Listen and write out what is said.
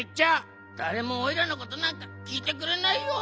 だれもおいらのことなんかきいてくれないよ！